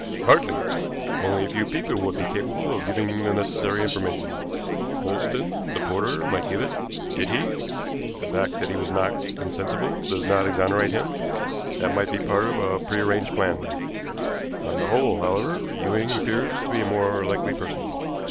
Hardly! Only a few people would be capable of giving the necessary information. Coulsdon, the porter, might give it. Did he? The fact that he was knocked insensible does not exonerate him; that might be part of a prearranged plan. On the whole, however, Ewing appears to be a more likely person.